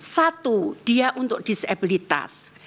satu dia untuk disabilitas